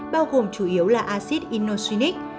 bao gồm chủ yếu là acid inoxidase